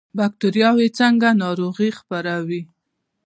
بکتریاوې څنګه ناروغي خپروي؟